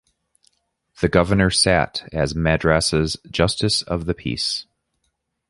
The Governor sat as Madras's Justice of the Peace.